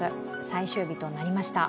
最終日となりました。